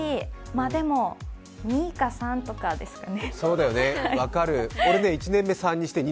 でも、２か３とかですかね。